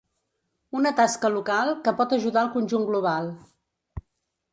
Una tasca local que pot ajudar al conjunt global.